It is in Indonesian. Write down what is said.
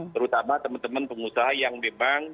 terutama teman teman pengusaha yang memang